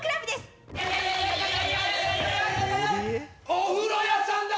お風呂屋さんだ！